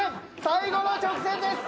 最後の直線です！